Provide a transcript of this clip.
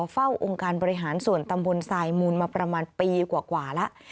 องค์การบริหารส่วนตำบลทรายมูลมาประมาณปีกว่าแล้ว